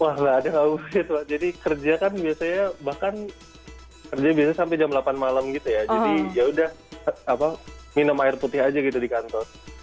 wah nggak ada audit lah jadi kerja kan biasanya bahkan kerja biasanya sampai jam delapan malam gitu ya jadi yaudah minum air putih aja gitu di kantor